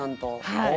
はい。